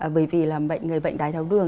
bởi vì là người bệnh đai tháo đường